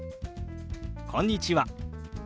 「こんにちは」。